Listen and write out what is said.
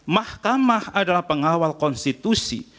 mahkamah adalah pengawal konstitusi